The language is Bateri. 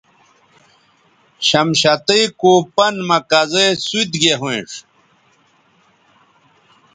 شمشتئ کو پن مہ کزے سوت گے ھوینݜ